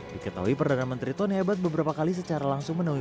diketahui perdana menteri tony hebat beberapa kali secara langsung menemui